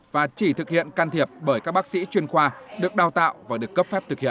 và chỉ thực hiện can thiệp bởi các bác sĩ chuyên khoa được đào tạo và được cấp phép thực hiện